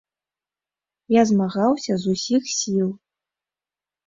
Я змагаўся з усіх сіл.